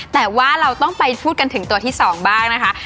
แต่ว่าเราต้องไปพูดกันถึงตัวที่๒บ้างนะคะ